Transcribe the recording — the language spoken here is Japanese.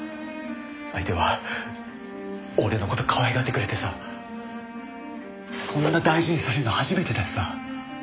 相手は俺の事可愛がってくれてさそんな大事にされるの初めてだしさ。